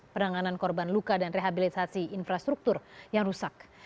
penanganan korban luka dan rehabilitasi infrastruktur yang rusak